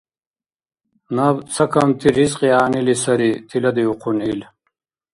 — Наб цакамти ризкьи гӏягӏнили сари, — тиладиухъун ил.